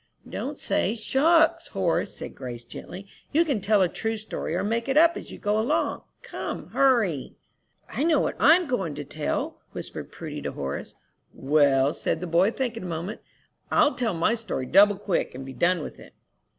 "Don't say 'shucks,' Horace," said Grace, gently. "You can tell a true story, or make it up as you go along. Come, hurry." "I know what I'm goin' to tell," whispered Prudy to Horace. "Well," said the boy, thinking a moment, "I'll tell my story double quick, and be done with it."